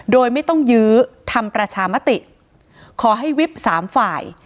โดยไม่ต้องยื้อทำประชามติขอให้วิบสามฝ่าย